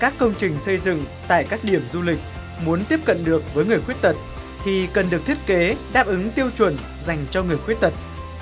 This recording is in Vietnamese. các công trình xây dựng tại các điểm du lịch muốn tiếp cận được với người khuyết tật thì cần được thiết kế đáp ứng tiêu chuẩn dành cho người khuyết tật